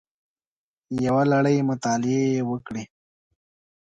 یوه لړۍ مطالعې یې وکړې